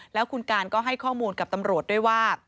แล้วคุณการก็ให้ข้อมูลกับตำรวจด้วยว่า